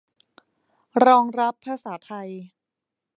รองรับภาษาไทย